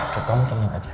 ketemu tenang aja